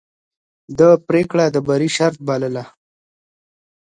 ده پرېکړه د بری شرط بلله.